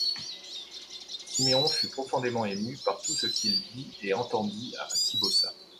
Siméon fut profondément ému par tout ce qu'il vit et entendit à Kibossa.